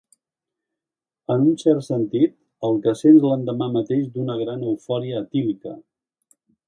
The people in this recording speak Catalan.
En un cert sentit, el que sents l'endemà mateix d'una gran eufòria etílica.